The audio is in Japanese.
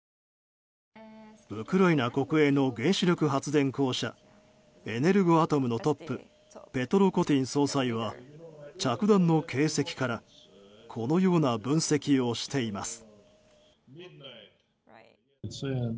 ウクライナ国営の原子力発電公社エネルゴアトムのトップペトロ・コティン総裁は着弾の形跡からこのような分析をしています。